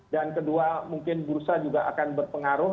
dan kedua mungkin bursa juga akan berpengaruh